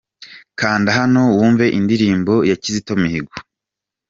Kanda hano wumve indirimbo ya Kizito Mihigo